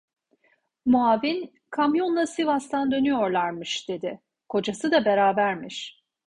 Muavin: "Kamyonla Sivas'tan dönüyorlarmış" dedi, "Kocası da berabermiş."